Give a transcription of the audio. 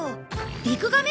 リクガメ！